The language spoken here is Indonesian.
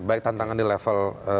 baik tantangan di level